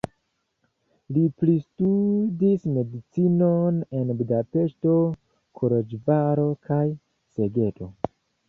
Li pristudis medicinon en Budapeŝto, Koloĵvaro kaj Segedo.